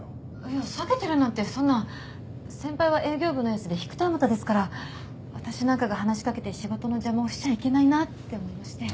いや避けてるなんてそんな先輩は営業部のエースで引く手あまたですから私なんかが話しかけて仕事の邪魔をしちゃいけないなって思いまして。